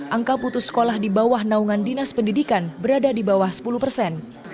angka putus sekolah di bawah naungan dinas pendidikan berada di bawah sepuluh persen